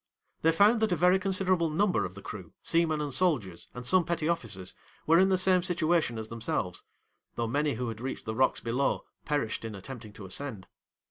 'They found that a very considerable number of the crew, seamen and soldiers, and some petty officers, were in the same situation as themselves, though many who had reached the rocks below, perished in attempting to ascend.